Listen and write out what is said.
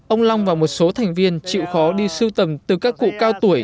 ông long và một số thành viên chịu khó đi siêu tầm từ các cụ cao tuổi